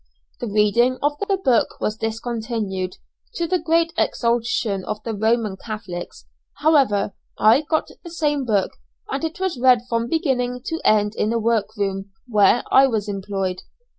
The reading of the book was discontinued, to the great exultation of the Roman Catholics: however, I got the same book, and it was read from beginning to end in the work room where I was employed!